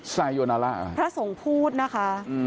สายโยนาระอ่ะพระสงฆ์พูดนะคะ